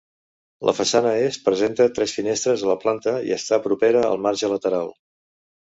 La façana Est presenta tres finestres a la planta i està propera al marge lateral.